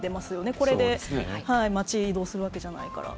これで、町で移動するわけじゃないから。